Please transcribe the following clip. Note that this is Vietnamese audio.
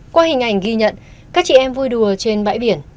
qua hình ảnh ghi nhận các chị em vui đùa trên bãi biển